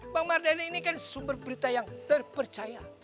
bang mardhani ini kan sumber berita yang terpercaya